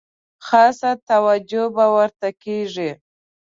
خاصه توجه به ورته کیږي.